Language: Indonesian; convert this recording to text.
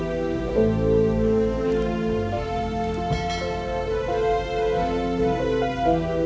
apa yang kamu lakukan